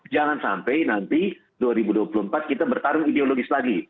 jangan sampai nanti dua ribu dua puluh empat kita bertarung ideologis lagi